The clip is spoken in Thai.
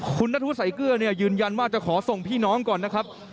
คุณนัทธวุใส่เกลือเนี่ยยืนยันว่าจะขอส่งพี่น้องก่อนนะครับ